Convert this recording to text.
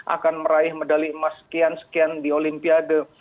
akan meraih medali emas sekian sekian di olimpiade